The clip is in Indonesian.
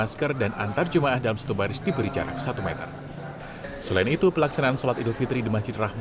sebenarnya tadi ya sempat terus bismillah